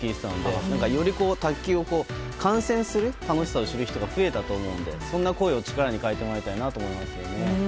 より卓球を観戦する楽しさを知る人が増えたと思うのでその声を力に変えてほしいなと思いますね。